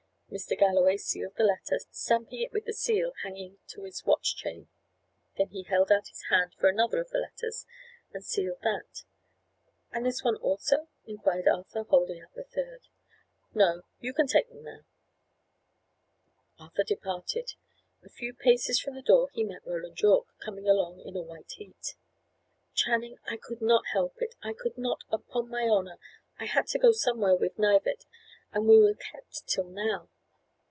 Mr. Galloway sealed the letter, stamping it with the seal hanging to his watch chain. He then held out his hand for another of the letters, and sealed that. "And this one also?" inquired Arthur, holding out the third. "No. You can take them now." Arthur departed. A few paces from the door he met Roland Yorke, coming along in a white heat. "Channing, I could not help it I could not, upon my honour. I had to go somewhere with Knivett, and we were kept till now.